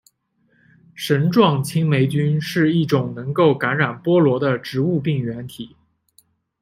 绳状青霉菌是一种能够感染菠萝的植物病原体。